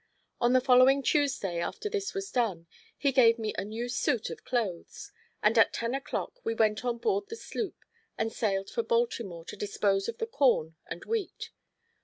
On the following Tuesday, after this was done, he gave me a new suit of clothes, and at ten o'clock we went on board the sloop and sailed for Baltimore to dispose of the corn and wheat.